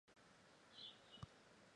Es considerada una power ballad.